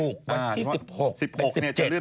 วันที่๑๖เป็น๑๗